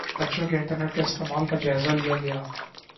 بچوں کے انٹرنیٹ کے استعمال کا جائزہ لیا گیا